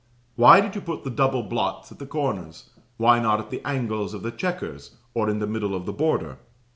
Why did you put the double blots at the corners? Why not at the angles of the chequers, or in the middle of the border?